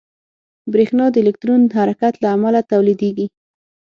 برېښنا د الکترون حرکت له امله تولیدېږي.